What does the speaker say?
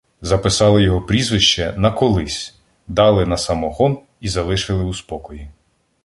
Записали його прізвище "на колись", дали на самогон і залишили у спокої.